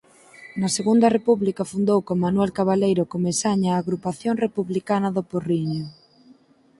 Na Segunda República fundou con Manuel Cabaleiro Comesaña a Agrupación Republicana do Porriño.